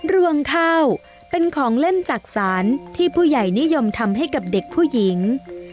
รวงข้าวเป็นของเล่นจักษานที่ผู้ใหญ่นิยมทำให้กับเด็กผู้หญิง